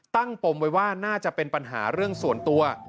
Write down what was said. ปมไว้ว่าน่าจะเป็นปัญหาเรื่องส่วนตัว